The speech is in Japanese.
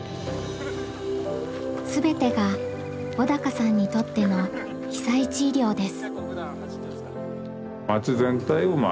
全てが小鷹さんにとっての被災地医療です。